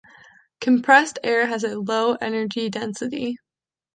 Compressed air has a low energy density.